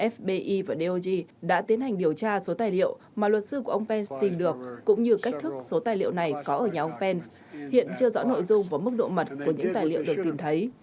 fbi và dog đã tiến hành điều tra số tài liệu mà luật sư của ông pence tìm được cũng như cách thức số tài liệu này có ở nhà ông pence hiện chưa rõ nội dung và mức độ mật của những tài liệu được tìm thấy